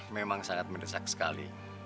memang sangat mendesak sekali